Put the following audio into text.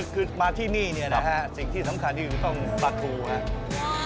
คือมาที่นี่นะครับสิ่งที่สำคัญนี่คือต้มปลาทูครับ